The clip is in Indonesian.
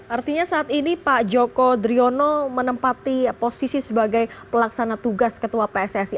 artinya saat ini pak joko driono menempati posisi sebagai pelaksana tugas ketua pssi